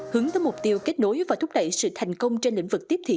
hướng tới mục tiêu kết nối và thúc đẩy sự thành công trên lĩnh vực tiếp thị